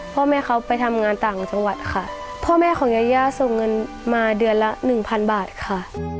พ่อแม่เขาไปทำงานต่างจังหวัดค่ะพ่อแม่ของยาย่าส่งเงินมาเดือนละหนึ่งพันบาทค่ะ